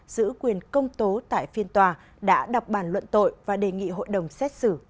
giữ quyền công tố tại phiên tòa đã đọc bản luận tội và đề nghị hội đồng xét xử